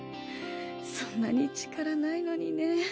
そんなに力無いのにねぇ。